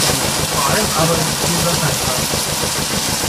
Vor allem aber ist viel Wasser enthalten.